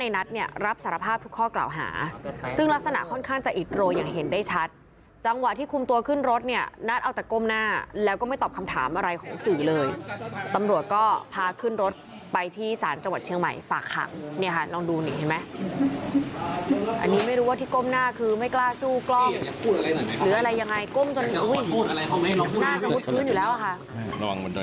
พี่หุยกับเนี่ยตอนหน้าที่เกิดขึ้นน่ะพี่หุยกับเนี่ยตอนหน้าที่เกิดขึ้นน่ะพี่หุยกับเนี่ยตอนหน้าที่เกิดขึ้นน่ะพี่หุยกับเนี่ยตอนหน้าที่เกิดขึ้นน่ะพี่หุยกับเนี่ยตอนหน้าที่เกิดขึ้นน่ะพี่หุยกับเนี่ยตอนหน้าที่เกิดขึ้นน่ะพี่หุยกับเนี่ยตอนหน้าที่เกิดขึ้นน่ะพี่หุยกับเนี่ยตอนหน้าท